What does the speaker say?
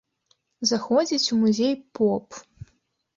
Заходзіць у музей поп.